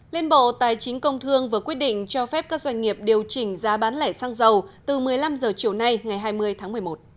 liên bộ tài chính công thương vừa quyết định cho phép các doanh nghiệp điều chỉnh giá bán lẻ xăng dầu từ một mươi năm h chiều nay ngày hai mươi tháng một mươi một